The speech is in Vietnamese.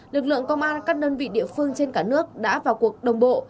lực lượng công an các đơn vị địa phương trên cả nước đã vào cuộc đồng bộ